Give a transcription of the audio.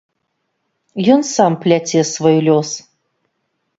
Ён сам пляце свой лёс.